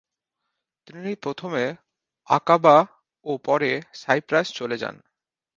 তিনি প্রথমে আকাবা ও পরে সাইপ্রাস চলে যান।